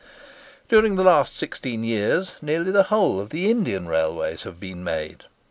During the last sixteen years, nearly the whole of the Indian railways have been made.